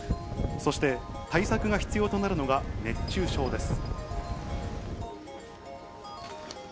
そして対策が必要となるのが、熱中症です。